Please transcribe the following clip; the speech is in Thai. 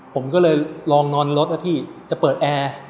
ผมก็เลยลองนอนรถนะพี่จะเปิดแอร์